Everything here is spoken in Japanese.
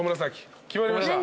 決まりました。